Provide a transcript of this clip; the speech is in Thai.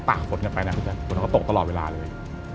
ฝนกันไปนะพี่แจ๊ฝนก็ตกตลอดเวลาเลย